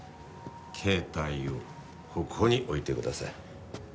携帯をここに置いてください。